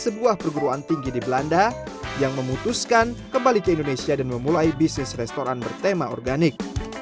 sebuah perguruan tinggi di belanda yang memutuskan kembali ke indonesia dan memulai bisnis restoran bertema organik